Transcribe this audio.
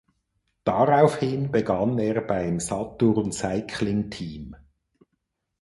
Daraufhin begann er beim Saturn Cycling Team.